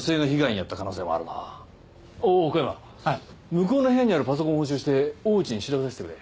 向こうの部屋にあるパソコンを押収して大内に調べさせてくれ。